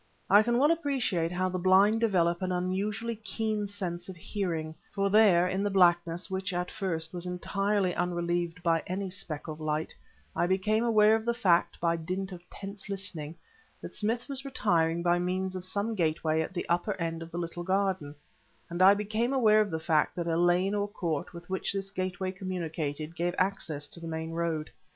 I can well appreciate how the blind develop an unusually keen sense of hearing; for there, in the blackness, which (at first) was entirely unrelieved by any speck of light, I became aware of the fact, by dint of tense listening, that Smith was retiring by means of some gateway at the upper end of the little garden, and I became aware of the fact that a lane or court, with which this gateway communicated, gave access to the main road.